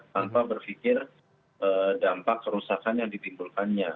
tanpa berpikir dampak kerusakan yang ditimbulkannya